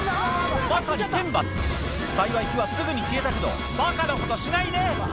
まさに天罰幸い火はすぐに消えたけどバカなことしないで！